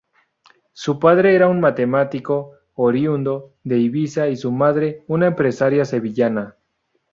Su padre era un matemático, oriundo de Ibiza, y su madre, una empresaria sevillana.